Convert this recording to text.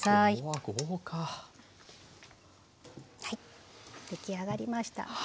はい出来上がりました。